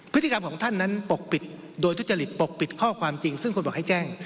พฤติกรรมของท่านนั้นปกปิดโดยทุจริตปกปิดข้อความจริงซึ่งคนบอกให้แจ้ง